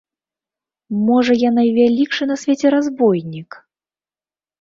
Можа, я найвялікшы на свеце разбойнік?